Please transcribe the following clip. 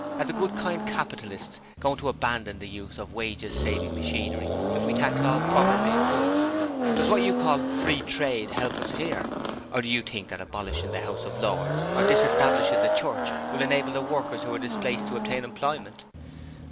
Are the good, kind capitalists going to abandon the use of wages saving machinery if we tax all foreign made goods? Does what you call "Free Trade" help us here? Or do you think that abolishing the House of Lords, or disestablishing the Church, will enable the workers who are displaced to obtain employment?